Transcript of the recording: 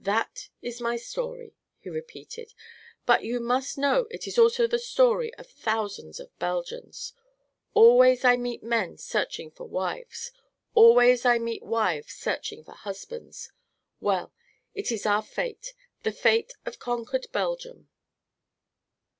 "That is my story," he repeated; "but you must know it is also the story of thousands of Belgians. Always I meet men searching for wives. Always I meet wives searching for husbands. Well! it is our fate the fate of conquered Belgium."